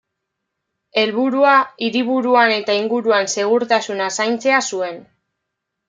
Helburua, hiriburuan eta inguruan segurtasuna zaintzea zuen.